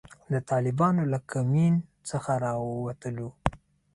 د طالبانو له کمین څخه را ووتلو.